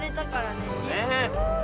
ねえ。